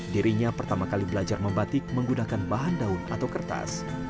dirinya pertama kali belajar membatik menggunakan bahan daun atau kertas